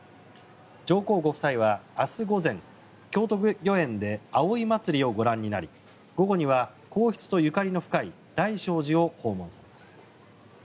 上皇ご夫妻は明日午前京都御苑で葵祭をご覧になり午後には皇室とゆかりの深い大聖寺を訪問されます。